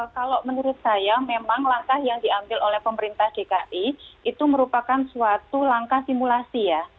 kalau menurut saya memang langkah yang diambil oleh pemerintah dki itu merupakan suatu langkah simulasi ya